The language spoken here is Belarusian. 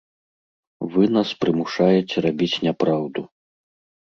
Вы нас прымушаеце рабіць няпраўду.